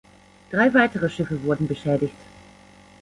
Drei weitere Schiffe wurden beschädigt.